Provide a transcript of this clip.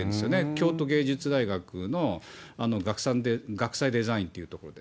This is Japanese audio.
京都芸術大学の学際デザインっていうところで。